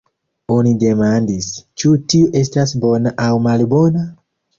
Oni demandis: Ĉu tio estas bona aŭ malbona?